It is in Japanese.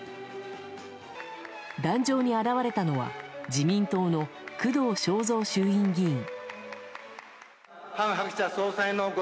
壇上に現れたのは自民党の工藤彰三衆院議員。